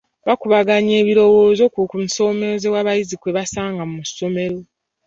Baakubaganya ebirowozo ku kusoomoozebwa abayizi kwe basanga mu ssomero.